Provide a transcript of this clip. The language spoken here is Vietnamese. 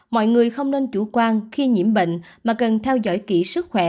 mọi người không nên chủ quan khi nhiễm bệnh mà cần theo dõi kỹ sức khỏe